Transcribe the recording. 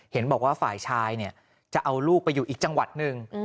เห็นบอกว่าฝ่ายชายเนี่ยจะเอาลูกไปอยู่อีกจังหวัดหนึ่ง